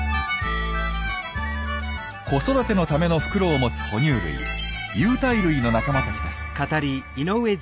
子育てのための袋を持つ哺乳類有袋類の仲間たちです。